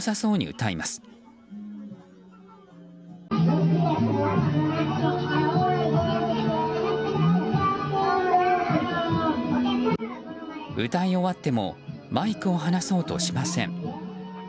歌い終わってもマイクを離そうとしません。